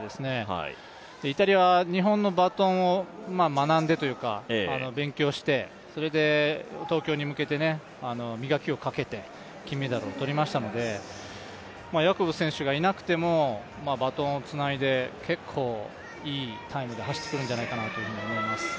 イタリア、日本のバトンを勉強してそれで東京に向けて磨きをかけて金メダルを取りましたので、ヤコブス選手がいなくてもバトンをつないで結構いいタイムで走ってくるんじゃないかなと思います。